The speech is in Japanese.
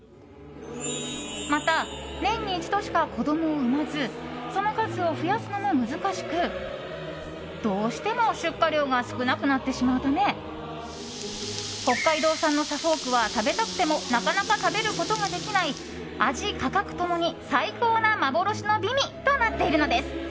また、年に一度しか子供を産まずその数を増やすのも難しくどうしても出荷量が少なくなってしまうため北海道産のサフォークは食べたくてもなかなか食べることができない味、価格共に最高な幻の美味となっているのです。